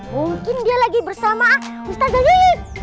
mungkin dia lagi bersama ustazayu